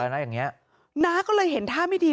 อ๋อนางก็เลยเห็นท่าไม่ดี